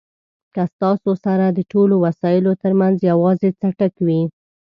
که ستاسو سره د ټولو وسایلو ترمنځ یوازې څټک وي.